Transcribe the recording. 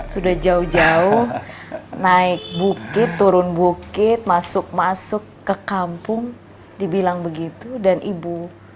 sudah jauh jauh naik bukit turun bukit masuk masuk ke kampung dibilang begitu dan ibu